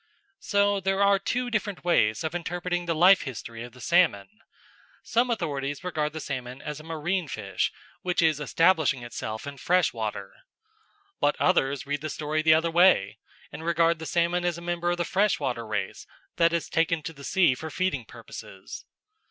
So there are two different ways of interpreting the life history of the salmon. Some authorities regard the salmon as a marine fish which is establishing itself in fresh water. But others read the story the other way and regard the salmon as a member of a freshwater race, that has taken to the sea for feeding purposes.